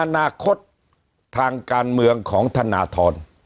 อนาคตทางการเมืองของธนทร